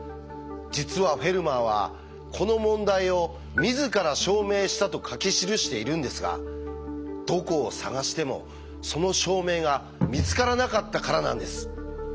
実はフェルマーはこの問題を「自ら証明した」と書き記しているんですがどこを探してもその証明が見つからなかったからなんです。